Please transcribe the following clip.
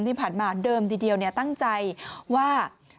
ที่ผ่านมาเดิมทีเดียวตั้งใจว่า